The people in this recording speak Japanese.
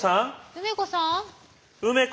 梅子さん。